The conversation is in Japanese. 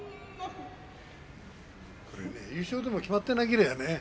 優勝でも決まっていなければね